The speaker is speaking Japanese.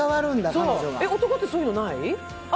男ってそういうのない？